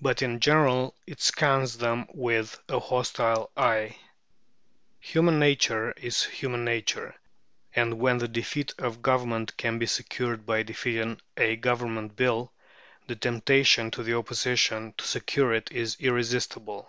But in general it scans them with a hostile eye. Human nature is human nature; and when the defeat of Government can be secured by defeating a Government Bill, the temptation to the Opposition to secure it is irresistible.